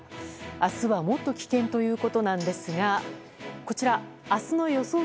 明日はもっと危険ということなんですがこちら、明日の予想